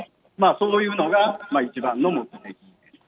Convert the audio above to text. そういうのが一番の目的です。